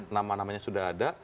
nama namanya sudah ada